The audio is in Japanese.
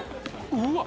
うわっ！